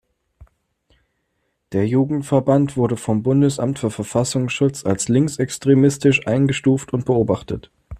Der Jugendverband wurde vom Bundesamt für Verfassungsschutz als linksextremistisch eingestuft und beobachtet.